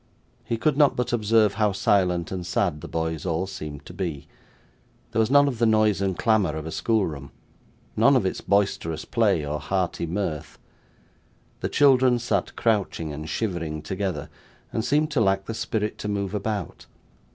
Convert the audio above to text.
He could not but observe how silent and sad the boys all seemed to be. There was none of the noise and clamour of a schoolroom; none of its boisterous play, or hearty mirth. The children sat crouching and shivering together, and seemed to lack the spirit to move about.